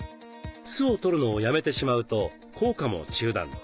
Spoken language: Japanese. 酢をとるのをやめてしまうと効果も中断。